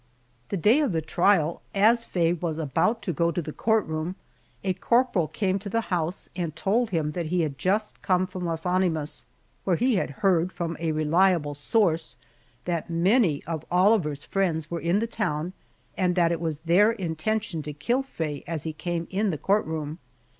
The day of the trial, and as Faye was about to go to the court room, a corporal came to the house and told him that he had just come from Las Animas, where he had heard from a reliable source that many of Oliver's friends were in the town, and that it was their intention to kill Faye as he came in the court room.